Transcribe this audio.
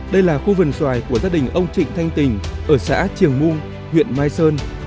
đây là khu vườn xoài của gia đình ông trịnh thanh tình ở xã triềng mung huyện mai sơn